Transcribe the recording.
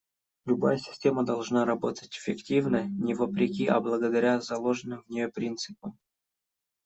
Любая система должна работать эффективно не вопреки, а благодаря заложенным в нее принципам.